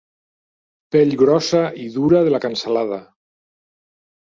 Pell grossa i dura de la cansalada.